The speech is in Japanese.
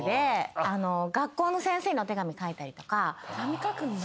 ・手紙書くんだ。